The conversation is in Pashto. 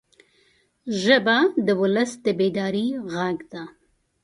ژبه د ولس د بیدارۍ غږ ده